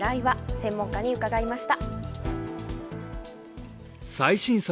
専門家に聞きました。